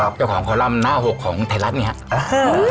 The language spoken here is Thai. เจ้าของคอลัมป์หน้า๖ของไทยรัฐเนี่ยครับ